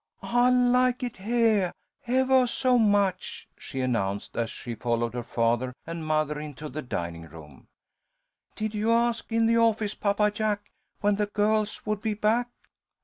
"I like it heah, evah so much," she announced, as she followed her father and mother into the dining room. "Did you ask in the office, Papa Jack, when the girls would be back?"